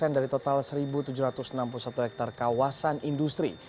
dari total satu tujuh ratus enam puluh satu hektare kawasan industri